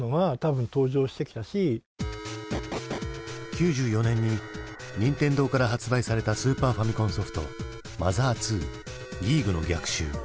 ９４年に任天堂から発売されたスーパーファミコンソフト「ＭＯＴＨＥＲ２ギーグの逆襲」。